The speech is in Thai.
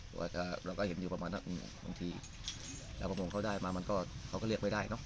แต่ว่าจะเราก็เห็นอยู่ประมาณน่ะอืมบางทีแล้วบางทีเขาได้มามันก็เขาก็เรียกไว้ได้เนอะ